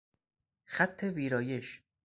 خط ویرایش